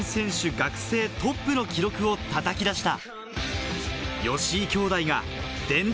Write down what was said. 学生トップの記録を叩き出した。